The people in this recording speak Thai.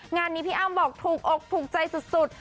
งานนี้พี่อ้ำบอกถูกอกถูกใจสุด